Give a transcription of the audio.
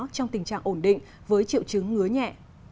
trong tình trạng ổn định với triệu chứng ngứa nhẹ